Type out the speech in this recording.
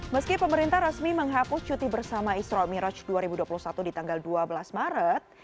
meski pemerintah resmi menghapus cuti bersama isra miraj dua ribu dua puluh satu di tanggal dua belas maret